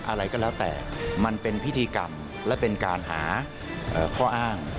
อะไรก็แล้วแต่มันเป็นพิธีกรรมและเป็นการหาข้ออ้าง